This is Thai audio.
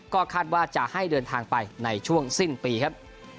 ก็คาดว่าจะให้เดินทางไปในช่วงสิ้นปีครับ